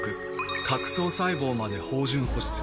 角層細胞まで豊潤保湿。